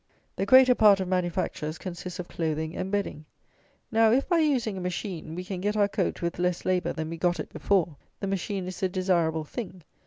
The greater part of manufactures consists of clothing and bedding. Now, if by using a machine, we can get our coat with less labour than we got it before, the machine is a desirable thing.